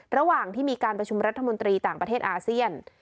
ระหว่างที่มีการประชุมรัฐมนตรีต่างประเทศอาเซียน